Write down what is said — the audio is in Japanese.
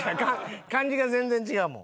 漢字が全然違うもん。